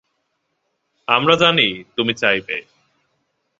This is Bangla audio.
আমরা জানি তুমি চাইবে।